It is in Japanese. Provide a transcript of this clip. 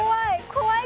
怖い。